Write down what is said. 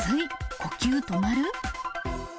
呼吸止まる？